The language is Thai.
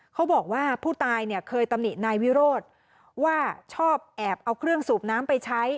เขาบอกว่าผู้ตายเนี่ยเคยตำหนินายวิโรธว่าชอบแอบเอาเครื่องสูบน้ำไปใช้